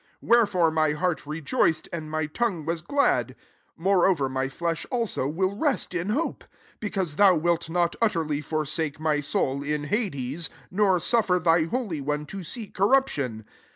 26 Wherefore m) heart re joiced, and my tongue was glad: moreover my flesh also will rest in hope ; 27 because thou wilt not utterly forsake my soul in hades ; nor suffer thy holy one to see corruption.